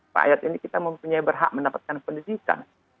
pak ayat ini kita mempunyai berhak mendapatkan pendidikan